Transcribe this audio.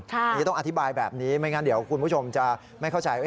อันนี้ต้องอธิบายแบบนี้ไม่งั้นเดี๋ยวคุณผู้ชมจะไม่เข้าใจ